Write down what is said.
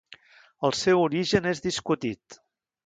El seu origen és discutit.